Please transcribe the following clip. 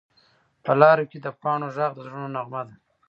په لارو کې د پاڼو غږ د زړونو نغمه ده